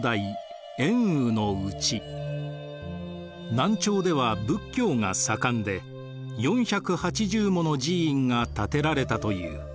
「南朝では仏教が盛んで４８０もの寺院が建てられたという。